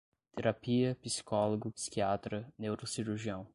Terapia, psicólogo, psiquiatra, neurocirurgião